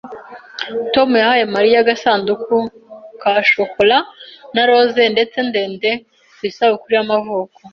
"Tom yahaye Mariya agasanduku ka shokora na roza ndende ndende ku isabukuru y'amavuko."